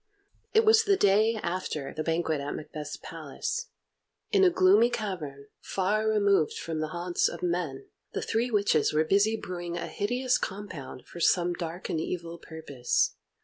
It was the day after the banquet at Macbeth's palace. In a gloomy cavern, far removed from the haunts of men, the three witches were busy brewing a hideous compound for some dark and evil purpose.